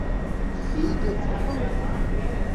Jede Woche?